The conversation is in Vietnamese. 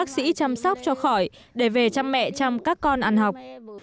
bác sĩ chăm sóc cho khỏi để về chăm mẹ chăm các con ăn học